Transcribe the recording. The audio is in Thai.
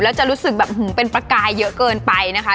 แล้วจะรู้สึกแบบเป็นประกายเยอะเกินไปนะคะ